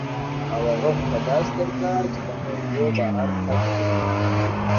او هغه هم په داسې طریقه چې له موضوع بهر تګ نه کوي